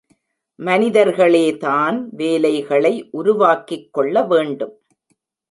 மனிதர்களேதான் வேலைகளை உருவாக்கிக் கொள்ளவேண்டும்.